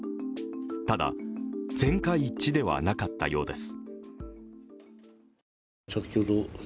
ただ、全会一致ではなかったようです。